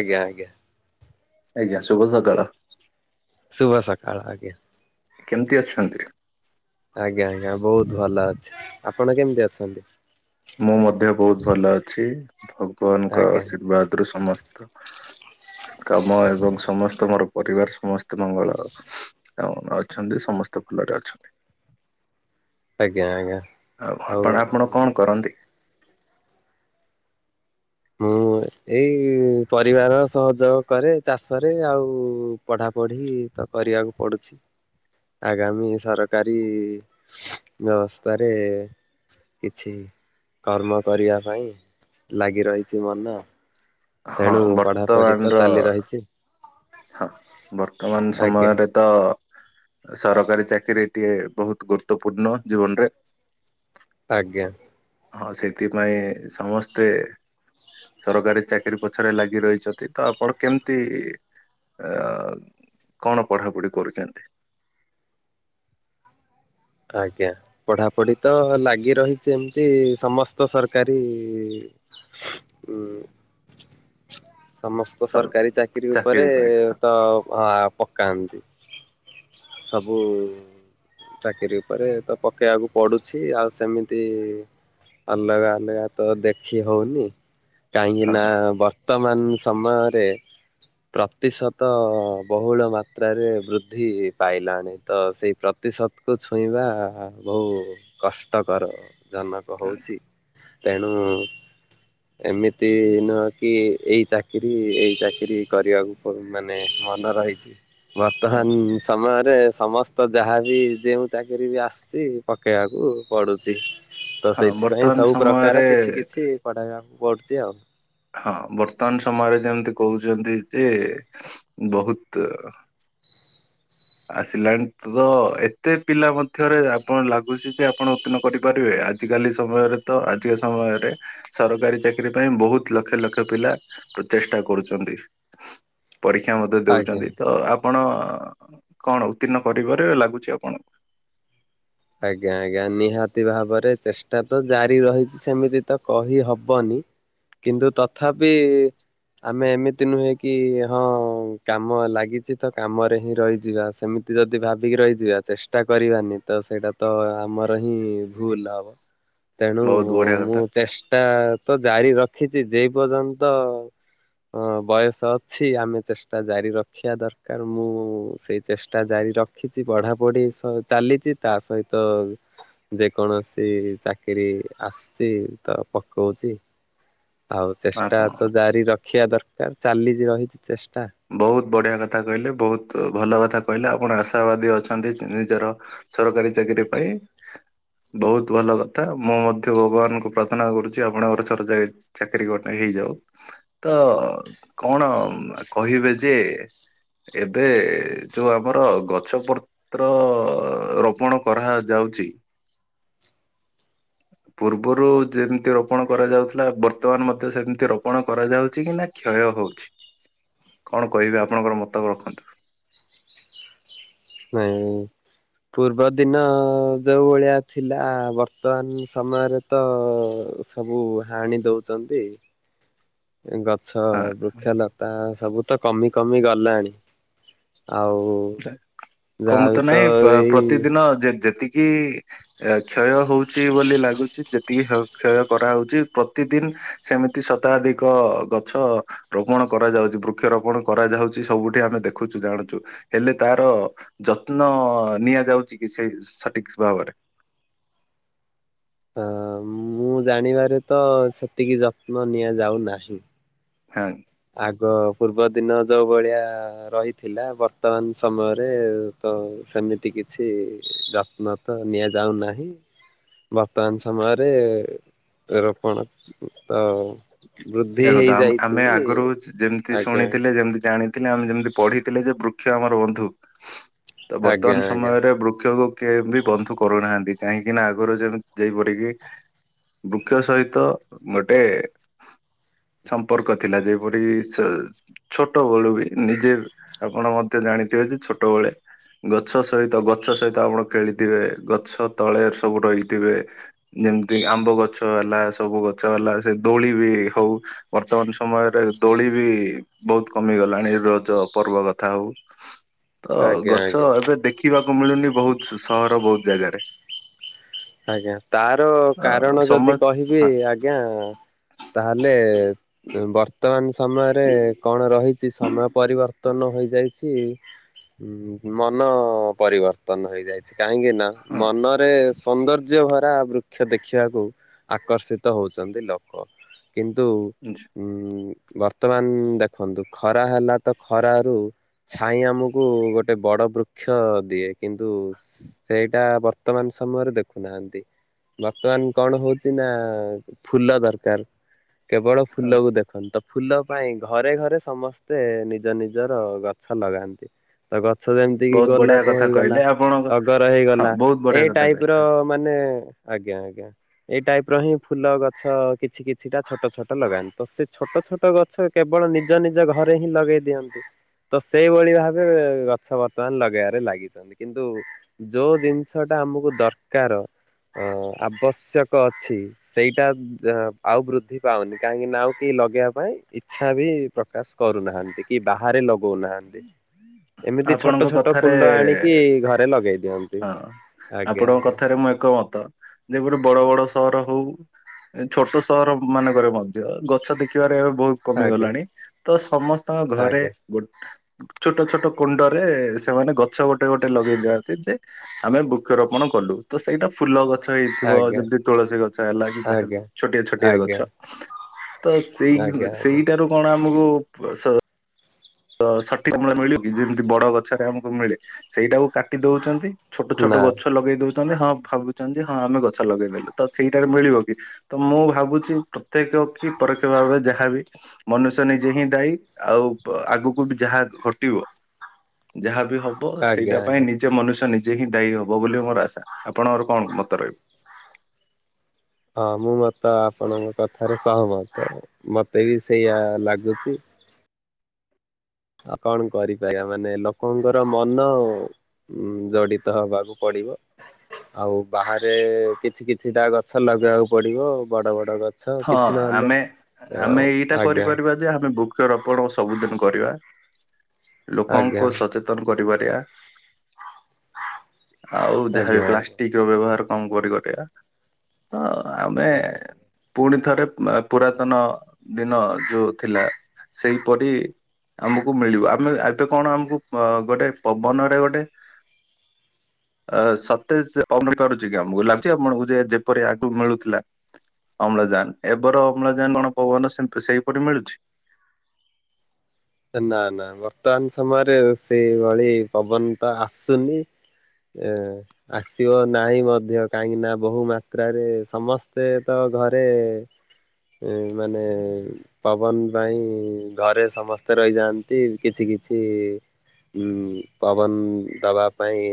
ଆଜ୍ଞା ଆଜ୍ଞା। ଆଜ୍ଞା ଶୁଭ ସକାଳ। ଶୁଭ ସକାଳ ଆଜ୍ଞା। କେମ୍ତି ଅଛନ୍ତି? ଆଜ୍ଞା ଆଜ୍ଞା ବୋହୁତ୍ ଭଲ ଅଛି ଆପଣ କେମିତି ଅଛନ୍ତି? ମୁଁ ମଧ୍ୟ ବୋହୁତ୍ ଭଲ ଅଛି ଭଗବାନଙ୍କ ଆଜ୍ଞା ଆଶୀର୍ବାଦରୁୁ ସମସ୍ତ କାମ ଏବଂ ସମସ୍ତ ମୋର ପରିବାର ସମ ତେ ମଙ୍ଗଳ ଅଛନ୍ତି ସମସ୍ତେ ଭଲରେ ଅଛନ୍ତି। ଆଜ୍ଞା ଆଜ୍ଞା ଆଉ କନ୍ତି। ମୁଁ ଏଇ ପରିବାର ସହଯୋଗ କରେ ଚାଷରେ ଆଉ ପଢ଼ା ପଢ଼ି ତ କରିବାକୁ ପଡୁଛି। ଆଗାମୀ ସରକାରୀ ବ୍ୟବସ୍ଥାରେ କିଛି କର୍ମ କରିବା ପାଇଁ ଲାଗି ରହିଚି ମନ। ହଁ ତେଣୁ ପଢାପଢି ତ ବର୍ତ୍ତମାନ୍ ର ଚାଲି ରହିଛି ହଁ ବର୍ତ୍ତମାନ୍ ଆଜ୍ଞା ସମୟରେ ତ ସରକାରୀ ଚାକିରିୀ ଟିଏ ବହୁତ ଗୁରୁତ୍ୱପୂର୍ଣ୍ଣ ଜୀବନରେ। ଆଜ୍ଞା। ହଁ ସେଇଥିପାଇଁ ସମସ୍ତେ ସରକାରୀ ଚାକିରୀ ପଛରେ ଲାଗି ରହିଛନ୍ତି ତ ଆପଣ କେମ୍ତି କଁ କଣ ପଢ଼ାପଢ଼ି କରୁଚନ୍ତି? ଆଜ୍ଞା। ପଢାପଢି ତ ଲାଗି ରହିଚି ଏମ୍ତି ସମସ୍ତ ସରକାରୀ ଉଁ। ସମସ୍ତ ସରକାରୀ ଚାକିରିୀ ଉପରେ ଚାକିରି ପାଇଁ ତ ଆ ପ କାଆନ୍ତି ସବୁ ଚାକିରୀ ଉପରେ ତ ପକେଇବାକୁ ପଡୁଛି ଆଉ ସେମିତି ଅଲଗା ଅଲଗା ତ ଦେଖି ହଉନି କାହିଁକି ହଁ ନା ବର୍ତ୍ତମାନ ସମୟରେ ପ୍ରତିଶତ ବହୁଳ ମାତ୍ରାରେ ବୃଦ୍ଧି ପାଇଲାଣି ତ ସେଇ ପ୍ରତିଶତ କୁ ଛୁଇଁବା ବହୁ କଷ୍ଟକର ଜନକ ହଁ ହଉଛି। ପେଣୁ ଏମିତି ନୁହଁ କି ଏଇ ଚାକିରି ଏଇ ଚାକିରିକରିବାକୁ ମାନେ ମନେ ରହିଛି ବର୍ତ୍ତମାନମାନ ସମୟରେ ସମସ୍ତ ଯାହାବି ଯେଉଁ ଚାକିରି ବି ଆସୁଛି ପକେଇବାକୁ ପଡୁଛି। ତ ହଁ ସେଇଥିପାଇଁ ବର୍ତ୍ତମାନ ସବୁ ପ୍ରକାର ସମୟରେ କିଛି କିଛି ପଢେଇବାକୁ ପଡୁଛି ଆଉ। ହଁ ବର୍ତ୍ତମାନ ସମୟରେ ଯେମିତି କହୁଛନ୍ତି ଯେ ବହୁତ ଆସିଲାଣି ତ ଏତେ ପିଲା ମଧ୍ୟରେ ଆପଣ ଲାଗୁଛି ଯେ ଆପଣ ରୋପଣ କରିପାରିବେ ଆଜ କାଲି ସମୟରେ ତ ଆଜିକା ସମୟରେ ସରକାରୀ ଚାକିରିୀ ପାଇଁ ବହୁତ ଲକ୍ଷ ଲକ୍ଷ ପିଲା ପ୍ରଚେଷ୍ଟା କରୁଛନ୍ତି। ପରୀକ୍ଷା ମଧ୍ୟ ଆଜ୍ଞା। ଦଉଛନ୍ତି ତ ଆପଣ କଣ ଉତ୍ତୀର୍ଣ୍ଣ କରିପାରିବେ ଲାଗୁଛି ଆପଣଙ୍କୁ? ଆଜ୍ଞା ଆଜ୍ଞା ନିହାତି ଭାବରେ ଚେଷ୍ଟା ତ ଜାରି ରହିଛି ସେମିତି ତ କହିହବନି। କିନ୍ତୁ ତଥାପି ଆମେ ଏମିତି ନୁହେଁ କି ହଁ କାମ ଲାଗିଛି ତ କାମରେ ହିଁ ରହିଯିବା ସେମିତି ଯଦି ଭାବିକି ରହିଯିବା ଚେଷ୍ଟା କରିବାନି ତ ସେଇଟା ତ ଆମର ହିଁ ଭୁଲ ହବ ତେଣୁ ବହୁତ ବଢିଆ କଥା ମୁଁ ଚେଷ୍ଟା ତ ଜାରି ରଖିଛି ଯେ ପର୍ଯ୍ୟନ୍ତ ହଁ ବୟସ ଅଛି ଆମେ ଚେଷ୍ଟା ଜାରିରଖିବା ଦରକାର ମୁଁ ସେଇ ଚେଷ୍ଟା ଜାରିରଖି ଶଖିଛି ପଢା ପଢି ସ ଚାଲିଛି ତା ସହିତ ଯେକୌଣସି ଚାକିରିୀ ଆସୁଛି ତ ପକାଉଛି। ଆଉ ଚେଷ୍ଟା ଆପଣ ତ ଜାରି ରଖିବା ଦରକାର ଚାଲିଛି ରହିଛି ଚେଷ୍ଟା। ବହୁତ ବଢିଆ କଥା କହିଲେ ବହୁତ ଭଲ କଥା କହିଲେ ଆପଣ ଆଶାବାଦୀ ଅଛନ୍ତି ନିଜର ସରକାରୀ ଚାକିରିୀ ପାଇଁ। ବହୁତ ଭଲ କଥା ମୁଁ ମଧ୍ୟ ଭଗବାନଙ୍କୁ ପ୍ରାର୍ଥନା କରୁଛି ଆପଣଙ୍କର ସରକାରି ଚାକିରୀ ଗୋଟେ ହେଇଯାଉ ତ କଣ କହିବେ ଯେ ଏବେ ଯୋଉ ଆମର ଗଛ ପ ତ୍ର ରୋପଣ କରାଯାଉଛି। ପୂର୍ବରୁ ଯେମିତି ରୋପଣ କରାଯାଉଥିଲା ବର୍ତ୍ତମାନ ମଧ୍ୟ ସେମିତି ରୋପଣ କରାଯାଉଛି କି ନା କ୍ଷୟ ହଉଛି। କଣ କହିବି ଆପଣଙ୍କର ମତକୁ ରଖନ୍ତୁ। ନାଇଁ। ପୂର୍ବ ଦିନ ଯୋଉଁ ଭଳିଆ ଥିଲା ବର୍ତ୍ତମାନ ସମୟରେ ତ ସବୁ ହାଣି ଦେଉଛନ୍ତି। ଗଛ ହଁ ବୃକ୍ଷଲତା ସବୁ ତ କମିକମି ଗଲାଣି ଆଉ କମ ଯାହାବି ତ ନାହିଁ ଏଇ ବା-ପ୍ରତିଦିନ ଯେତିକି ଏ କ୍ଷୟ ହଉଛି ବୋଲି ଲାଗୁଛି ଯେତିକି କ୍ଷୟ କରାହଉଛି ପ୍ରତିଦିନ୍ ସେମିତି ଶତାଧିକ ଗଛ ରୋପଣ କରାଯାଉଛି ବୃକ୍ଷରୋପଣ କରାଯାଉଛି ସବୁଠି ଆମେ ଦେଖୁଛୁ ଜାଣୁଛୁ। ହେଲେ ତାର ଯତ୍ନ ନିଆଯାଉଛି କି ସେ ସଠିକ ଭାବରେ। ହ ମୁଁ ଜାଣିବାରେ ତ ସେତିକି ଯତ୍ନ ନିଆଯାଉନାହିଁ। [unintelligible] ଆଗ ପୂର୍ବ ଦିନ ଯୋଉଭଳିଆ ରହିଥିଲା ବର୍ତ୍ତମାନ ସମୟରେ ତ ସେମିତି କିଛି ଯତ୍ନ ତ ନିଆଯାଉନାହିଁ। ବର୍ତ୍ତମାନ ସମୟରେ ରୋପଣ ତ ବୃଦ୍ଧି ଦେଖନ୍ତୁ ଆମ- ହେଇଯାଇଛି। ଆମେ ଆଗରୁ ଯେମିତି ଆଜ୍ଞା ଶୁଣିଥିଲେ, ଯେମିତି ଜାଣିଥିଲେ, ଆମେ ଯେମିତି ପଢିଥିଲେ, ଯେ ବୃକ୍ଷ ଆମର ବନ୍ଧୁ। ତ ଆଜ୍ଞା ବର୍ତ୍ତମାନ ଆଜ୍ଞା। ସମୟରେ ବୃକ୍ଷକୁ କେ ବି ବନ୍ଧୁ କରୁନାହାନ୍ତି, କାହିଁକିନା ଆଗରୁ ଯେମତି ଯେଇପରିକି ବୃକ୍ଷ ସହିତ ଗୋଟେ ସମ୍ପର୍କ ଥିଲା, ଯେପରି ସେ ଛୋଟବେେଳୁ ବି ନିଜେ ଆପଣ ମଧ୍ୟ ଜାଣିଥିବେ ଯେ ଛୋଟବେଳେ ଗଛ ସହିତ, ଗଛ ସହିତ ଆପଣ ଖେଳିଥିବେ, ଗଛ ତଳେ ସବୁ ରହିଥିବେ। ଯେମିତି ଆମ୍ବ ଗଛ ହେଲା, ସବୁ ଗଛ ହେଲା ସେ ଦୋଳି ବି ହଉ। ବର୍ତ୍ତମାନ ସମୟରେ ଦୋଳି ବି ବହୁତ କମି ଗଲାଣି ରଜ ପର୍ବ କଥା ହଉ। ତ ଆଜ୍ଞା ଗଛ ଆଜ୍ଞା ଏବେ ଦେଖିବାକୁ ମିଳୁନି, ବହୁତ ସହର ବହୁତ ଜାଗାରେ ଆଜ୍ଞା ତାର ଅ କାରଣ ଯଦି ସମ କହିବି, ହଁ ଆଜ୍ଞା ତାହେଲେ ବର୍ତ୍ତମାନ ସମୟରେ କଣ ରହିଛି, ସମୟ ପରିବର୍ତ୍ତନ ହୋଇଯାଇଛି। ମନ ପରିବର୍ତ୍ତନ ହେଇଯାଇଛି କାହିଁକି ନା, ହଁ ମନରେ ସୌନ୍ଦର୍ଯ୍ୟ ଭରା ବୃକ୍ଷ ଦେଖିବାକୁ ଆକର୍ଷିତ ହଉଛନ୍ତି ଲୋକ। କିନ୍ତୁ [unintelligible] ଉଁ ବର୍ତ୍ତମାନ ଦେଖନ୍ତୁ ଖରା ହେଲା ତ, ଖରାରୁ ଛାଇ ଆମକୁ ଗୋଟେ ବଡ ବୃକ୍ଷ ଦିଏ କିନ୍ତୁ ସେଇଟାତ ବର୍ତ୍ତମାନ ସମୟରେ ଦେଖ। ରଖୁନାହାନ୍ତି, ବର୍ତ୍ତମାନ କଣ ହଉଛି ନା ଫୁଲ ଦରକାର କେବଳ ହଁ ଫୁଲକୁ ଦେଖ। ହଁତ ଫୁଲ ପାଇଁ ଘରେ ଘରେ ସମସ୍ତେ ନିଜ ନିଜର ଗଛ ଲଗାନ୍ତି। ତ ଗଛ ଯେମିତି କିି ବହୁତ ବଢିଆ ଗୋଲାପ କଥା ହେଇଗଲା, କହିଲେ ଆପଣଙ୍କ ଟଗର ହଁ ହେଇଗଲା, ବହୁତ ବଢିଆ ଏଇ କଥା ଟାଇପ୍ କହିଲେ ମାନେ ଆଜ୍ଞା ଆଜ୍ଞା। ଏଇ ଟାଇପ ର ହିଁ ଫୁଲ ଗଛ କିଛି କିଛିଟା ଛୋଟ ଛୋଟ ଲଗାନ୍ତି, ତ ସେ ଛୋଟ ଛୋଟ ଗଛ ଛ କେବଳ ନିଜ ନିଜ ଘରେ ହିଁ ଲଗେଇ ଦିଅନ୍ତି। ତ ସେଇଭଳି ଭାବେ ଗଛ ବର୍ତ୍ତମାନ ଲଗେଇବାରେ ଲାଗିଛନ୍ତି କିନ୍ତୁ ଯୋଉ ଜିନିଷ ଟା ଆମକୁ ଦରକାର ଅ ଆବଶ୍ୟକ ଅଛି ସେଇଟା ଆଉ ବୃଦ୍ଧି ପାଉନି କାହିଁକି ନା, ଆଉ କେହି ଲଗେଇବା ପାଇଁ ଇଛା ବି ପ୍ରକାଶ କରୁନାହାନ୍ତି କି? ବାହାରେ ଲଗଉନାହାନ୍ତି? ଏମିତି ଛୋଟ ଆପଣଙ୍କ ଛୋଟ କଥାରେ, କୁଣ୍ଡ ଆଣିକି ଘରେ ଲଗେଇ ଦିଅନ୍ତି ହଁ ଆଜ୍ଞା ଆପଣଙ୍କ ଆଜ୍ଞା କଥାରେ ମୁଁ ଏକ ମତ, ଯେ ଗୋଟେ ବଡ ବଡ ସହର ହଉ ଛୋଟ ସହର ମାନଙ୍କରେ ମଧ୍ୟ, ଗଛ ଦେଖିବାରେ ଏବେ ବହୁତ ଆଜ୍ଞା। କମିଗଲାଣି, ତ ସମସ୍ତଙ୍କ ଘରେ ଆଜ୍ଞା ଗୋଟ ଛୋଟ ଛୋଟ କୁଣ୍ଡରେ ସେମାନେ ଗଛ ଗୋଟେ ଗୋଟେ ଲଗେଇ ଦିଅ ନ୍ତି ଯେ- ଆମେ ବୃକ୍ଷରୋପଣ କଲୁ। ତ ସେଇଟା ଫୁଲ ଗଛ ହେଇଥିବ, ଆଜ୍ଞା ଯେମିତି ତୁଳସୀ ଗଛ ହେଲା କି ଆଜ୍ଞା ଛୋଟିଆ ଛୋଟିଆ ଆଜ୍ଞା ଗଛ ତ ସେଇ ଆଜ୍ଞା ଆଜ୍ଞା ସେଇଟାରୁ କଣ ଆମକୁ ତ ସଠିକ ଅମଳ ମିଳିବ କି, ଯେମତି ବଡ ଗଛରେ ଆମକୁ ମିଳେ ସେଇଟାକୁ କାଟି ଦଉଛନ୍ତି। ଛୋଟ ଛୋଟ ନା ଗଛ ଲଗେଇ ଦଉଛନ୍ତି, ହଁ ଭାବୁଛନ୍ତି ହଁ ଆମେ ଗଛ ଲଗେଇଦେଲୁ ତ, ସେଇଟାରେ ମିଳିବ କି? ତ ମୁଁ ଭାବୁଛି ପ୍ରତ୍ୟେକ କି ପରୋକ୍ଷ ଭାବେ, ଯାହାବି ମନୁଷ୍ୟ ନିଜେ ହିଁ ଦାୟୀ, ଆଉ ଆଗକୁ ବି ଯାହା ଘଟିବ, ଯାହା ବି ହବ, ଆଜ୍ଞା ସେଇଟା ପାଇଁ ଆଜ୍ଞା। ନି ନିଜେ ମନୁଷ ନିଜେ ହିଁ ଦାୟୀ ହବ ବୋଲି ମୋର ଆଶା, ଆପଣଙ୍କର କଣ ମତ ରହିବ? ହଁ ମୁଁ ମତେ ଆପଣଙ୍କ କଥାରେ ସହମତ କରେ, ମତେ ବି ସେଇଆ ଲାଗୁଛି। ଆଉ କଣ କରିପାରିବା, ମାନେ ଲୋକଙ୍କର ମନ। ଉଁ ଜଡିତ ହବାକୁ ପଡିବ। ଆଉ ବାହାରେ କିଛି କିଛିଟା ଗଛ ଲଗେଇବାକୁ ପଡିବ, ବଡ ବଡ ଗଛ। ହଁ କିଛି ନହେଲେ ଆମେ, ଅ ଆମେ ଏଇଟା ଆଜ୍ଞା କରିପାରିବା ଯେ -ଆମେ ବ ବୃକ୍ଷରୋପଣ ସବୁଦିନ କରିବା। ଆଜ୍ଞା ଲୋକଙ୍କୁ ସଚେ ତନ କରିପାରିବା। ଆଉ ଯାହା ଆଜ୍ଞା ବି ପ୍ଲା ଆଜ୍ଞା [unintelligible] ର ବ୍ୟବହାର କଣ କରି କରିବା ଆଉ ଆମେ ଆଜ୍ଞା। ପୁଣି ଥରେ ପୁରାତନ ଦିନ ଯୋଉ ଥିଲା ସେଇପରି ଆମକୁ ମିଳିବ। ଆମେ ଏବେ କଣ ଆମକୁ ଅ ଗୋଟେ ପବନରେ ଗୋଟେ ଅ ସତେ ସେ [unintelligible] କି ଆମକୁ ଲାଗୁଛି ଆପଣଙ୍କୁ ଯେ ଯେପରି ଆଗକୁ ମିଳୁଥିଲା ଅମ୍ଳଜାନ, ଏବେର ଅମ୍ଳଜାନ କଣ ପବନ ସେହିପରି ମିଳୁଚି। ନା ନା ବର୍ତ୍ତମାନ ସମୟରେ ସେଇଭଳି ପବନ ତ ଆସୁନି। ଏ ଆସିବ ନାହିଁ ମଧ୍ୟ। କାହିଁକି ନା ବହୁ ମାତ୍ରାରେ ସମସ୍ତେ ତ ଘରେ ଏଇ ମାନେ ପବନ ପାଇଁ ଘରେ ସମସ୍ତ ତେ ରହିଯାଆନ୍ତି କିଛି କିଛି ଉଁ ପବନ ଦବା ପାଇଁ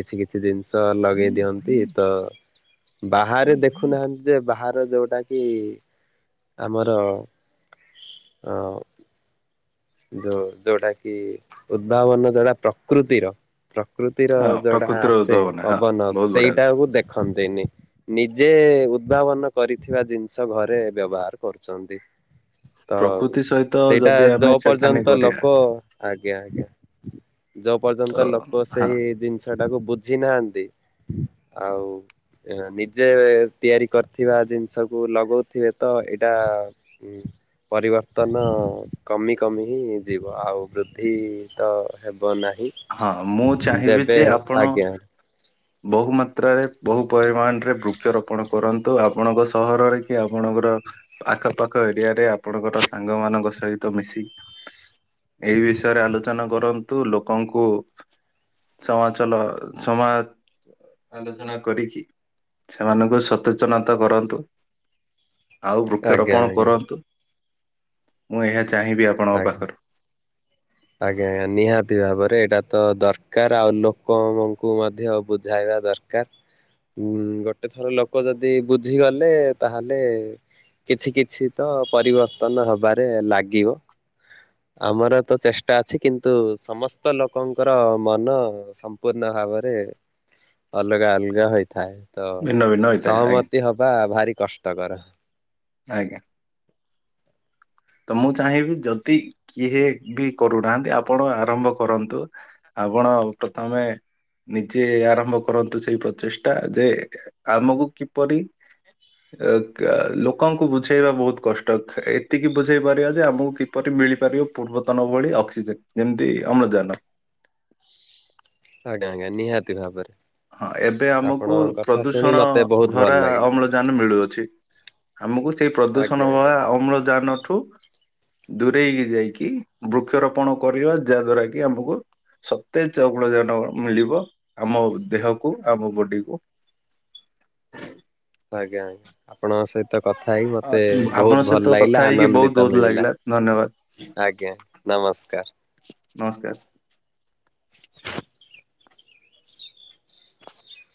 କିଛି କିଛି ଜିନିଷ ଲଗେଇ ଦିଅନ୍ତି ତ ବାହାରେ ଦେଖୁନାହାନ୍ତି ଯେ ବାହାର ଯୋଉଟା କି ଆମର ଅ ଯୋଉ ଯୋଉଟା କି ଉଦ୍ଭାବନ ଯୋଉଟା ପ୍ରକୃତିର ପ୍ରକୃତିର ହଁ ଯୋଉଟା ପ୍ରକୃତିର ଆସେ ଉଦ୍ଭାବନା ହଁ ପବନ ବହୁତ ବଢିଆ କଥା। ସେଇଟାକୁ ଦେଖନ୍ତିନି। ନିଜେ ଉଦ୍ଭାବନ କରିଥିବା ଜିନିଷ ଘରେ ବ୍ୟବହାର କରୁଛନ୍ତି। ତ ପ୍ରକୃତି ସହିତ ସେଇଟା ଯଦି ଆମେ ଯବ୍ ଛେଡଖାନି ପର୍ଯ୍ୟନ୍ତ କରିବା ଲୋକ ଆଜ୍ଞା ଆଜ୍ଞା ଯୋଉ ତ ପର୍ଯ୍ୟନ୍ତ ଲୋକ ହଁ ସେଇ ଜିନିଷ ଟାକୁ ବୁଝି ନାହାନ୍ତି ଆଉ ଏ ନିଜେ ତିଆରି କରିଥିବା ଜିନିଷକୁ ଲଗଉଥିବେ ତ ଏଇଟା ଉଁ ପରିବର୍ତ୍ତନ କମି କମିି ଯିବ ଆଉ ବୃଦ୍ଧି ତ ହେବ ନାହିଁ। ହଁ ମୁଁ ଚାହିଁବି ଯେବେ ଯେ ଆପଣ ଆଜ୍ଞା ବହୁ ମାତ୍ରାରେ ବହୁ ପରିମାଣରେ ବୃକ୍ଷରୋପଣ କରନ୍ତୁ। ଆପଣଙ୍କ ସହରରେ କି ଆପଣଙ୍କର ଆଖପାଖ ଏରିଆ ରେ ଆପଣଙ୍କର ସାଙ୍ଗ ମାନଙ୍କ ସହିତ ମିଶି ଏହି ବିଷୟରେ ଆଲୋଚନା କରନ୍ତୁ। ଲୋକଙ୍କୁ ସମାଚଲ ସମାଜ ଆଲୋଚନା କରିକି ସେମାନଙ୍କୁ ସଚେତନତା କରନ୍ତୁ। ଆଉ ଆଜ୍ଞା ବୃକ୍ଷରୋପଣ ଆଜ୍ଞା କରନ୍ତୁ। ମୁଁ ଏହା ଚାହିଁବି ଆପ ଆଜ୍ଞା। [inaudible] ଆଜ୍ଞା ଆଜ୍ଞା ନିହାତି ଭାବରେ ଏଇଟା ତ ଦରକାର। ଆଉ ଲୋକଙ୍କୁ ମଧ୍ୟ ବୁଝାଇବା ଦର କାର। ଉଁ ଗୋଟେ ଥର ଲୋକ ଯଦି ବୁଝିଗଲେ ତାହେଲେ କିଛି କିଛି ତ ପରିବର୍ତ୍ତନ ହବାରେ ଲାଗିବ। ଆମର ତ ଚେଷ୍ଟା ଅଛି। କିନ୍ତୁ ସମସ୍ତ ଲୋକଙ୍କର ମନ ସମ୍ ସପୂର୍ଣ୍ଣ ଭାବରେ ଅଲଗା ଅଲଗା ହୋଇଥାଏ। ତ ଭିନ୍ନ ଭିନ୍ନ ହୋଇଥାଏ ଆଜ୍ଞା ସହମତି ହବା ଭାରି କଷ୍ଟକର। ଆଜ୍ଞା। ତ ମୁଁ ଚାହିଁବି ଯଦି କିଏ ବି କରୁନାହାନ୍ତି ଆପଣ ଆରମ୍ଭ କରନ୍ତୁ। ଆପଣ ପ୍ରଥମେ ନିଜେ ଆରମ୍ଭ କରନ୍ତୁ ସେଇ ପ୍ରଚେଷ୍ଟା ଯେ ଆମକୁ କିପରି ଅ କା ଲୋକଙ୍କୁ ବୁଝେଇବା ବହୁତ କଷ୍ଟ ଥାଏ। ଏତିକି କି ବୁଝେଇ ପାରିବା ଯେ ଆମକୁ କିପରି ମିଳିପାରିବ ପୂର୍ବତନ ଭଳି ଅକ୍ସିଜେନ। ଯେମିତି ଅମ୍ଳଜାନ। ଆଜ୍ଞା ଆଜ୍ଞ ନିହାତି ଭାବରେ। ହଁ ଏବେ ଆମକୁ ଆପଣଙ୍କ କଥା ଶୁଣି ପ୍ରଦୂଷଣ ମତେ ବହୁତ ଭଲ ଭରା ଲାଗିଲା। ଅମ୍ଳଜା ଜାନ ମିଳୁଅଛି। ଆମକୁ ସେଇ ଆଜ୍ଞା ପ୍ରଦୂଷଣ ଆଜ୍ଞା ଭଳିଆ ଅମ୍ଳଜାନଠୁ ଦୂରେଇ ଯାଇକି ବୃକ୍ଷରୋପଣ କରିବା ଯା ଦ୍ଵାରା କି ଆମକୁ ସତେଜ ଅମ୍ଳଜାନ ମିଳିବ। ଆମ ଦେହକୁ ଆମ ବଡିକୁ। ଆଜ୍ଞା ଆଜ୍ଞା ଆପଣଙ୍କ ସହିତ କ ଥା ହେଇକି ମତେ ଆପଣଙ୍କ ବହୁତ ଭଲ ସହିତ କଥା ଲାଗିଲା ହେଇକି ବହୁତ ଆନନ୍ଦିତ ବହୁତ ମିଳିଲା ଲାଗିଲା ଧନ୍ୟବାଦ ଆଜ୍ଞା। ନମସ୍କାର। ନମସ୍କାର।